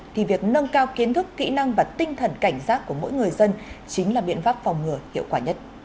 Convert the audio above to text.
thì việc nâng cao kiến thức kỹ năng và tinh thần cảnh giác của mỗi người dân chính là biện pháp phòng ngừa hiệu quả nhất